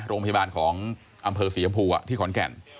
โรงพยาบาลของอำเภอศรีชมพูที่ขอนแก่น